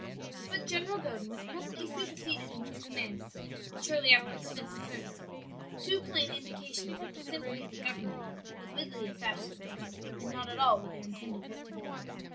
"But General Godin was presently superseded in his command and shortly after dismissed the service. Two plain indications that the sympathy of the government was with the assassins and not at all with their intended victims."